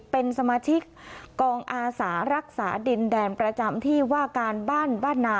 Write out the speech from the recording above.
เป็นสมาชิกกองอาสารักษาดินแดนประจำที่ว่าการบ้านบ้านนา